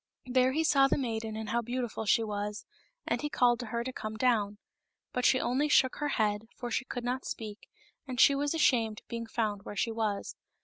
There he saw the maiden and how beautiful she was, and he called to her to come down. But she only shook her head, for she could not speak, and she was ashamed of being found where she was.